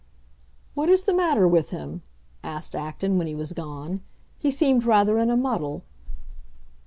"What is the matter with him?" asked Acton, when he was gone. "He seemed rather in a muddle."